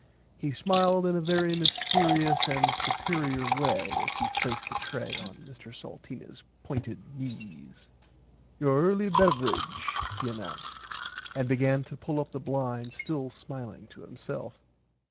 He smiled in a very mystearious and superier way as he placed the tray on Mr Salteenas pointed knees. Your early beverage he announced and [Pg 60] began to pull up the blinds still smiling to himself.